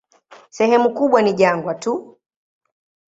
Sehemu kubwa ni jangwa tu.